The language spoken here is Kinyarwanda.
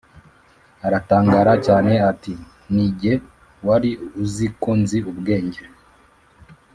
aratangara cyane ati: “Ni ge wari uzi ko nzi ubwenge,